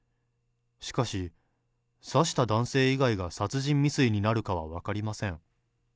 しかし、刺した男性以外が殺人未遂になるかは分かりません。